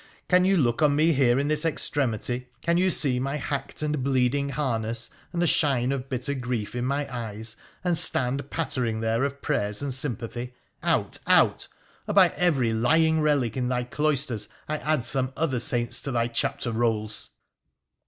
Can you look on me here in this extremity, can you see my hacked and bleeding harness, and the shine of bitter grief in my eyes, and stand pattering there of prayers and sympathy ? Out ! Out ! or by every lying relic in thy cloisters I add some other saints to thy chapter rolls